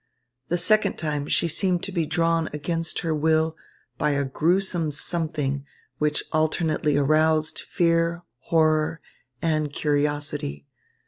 The second time, she seemed to be drawn against her will by a gruesome something, which alternately aroused fear, horror, and curiosity.